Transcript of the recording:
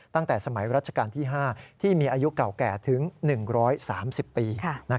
ตั้งแต่สมัยรัชกาลที่๕ที่มีอายุเก่าแก่ถึง๑๓๐ปี